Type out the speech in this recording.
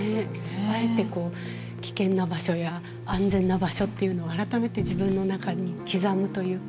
あえてこう危険な場所や安全な場所っていうのを改めて自分の中に刻むというか。